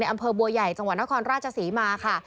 บัวใหญ่จังหวัดนครราชสีมาค่ะ